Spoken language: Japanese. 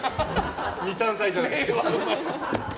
２３歳じゃないですか。